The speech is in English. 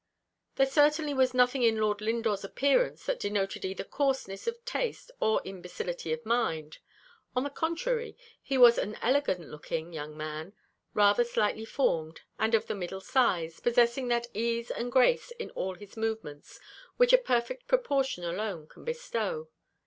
There certainly was nothing in Lord Lindore's appearance that denoted either coarseness of taste or imbecility of mind. On the contrary, he was an elegant looking young man, rather slightly formed, and of the middle size, possessing that ease and grace in all his movements which a perfect proportion alone can bestow.